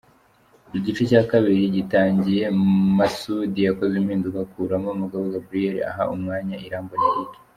Igice cya kabiri gitangiye, Masoudi yakoze impinduka akuramo Mugabo Gabriel aha umwanya Irambona Eric.